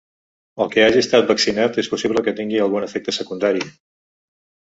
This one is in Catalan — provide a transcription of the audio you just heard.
El qui hagi estat vaccinat és possible que tingui algun efecte secundari.